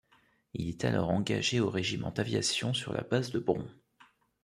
Il est alors engagé au régiment d'aviation sur la base de Bron.